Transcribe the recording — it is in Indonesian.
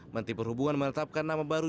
menteri perhubungan menetapkan nama baru